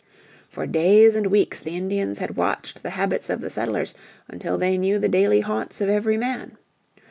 For days and weeks the Indians had watched the habits of the settlers until they knew the daily haunts of every man.